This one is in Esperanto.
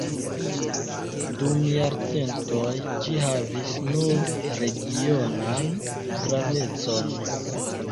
Dum jarcentoj ĝi havis nur regionan gravecon.